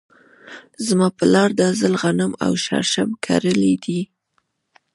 زما پلار دا ځل غنم او شړشم کرلي دي .